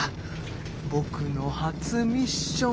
ぼくの初ミッション。